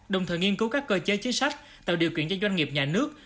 đồng thời nghiên cứu các cơ chế chính sách tạo điều kiện cho doanh nghiệp nhà nước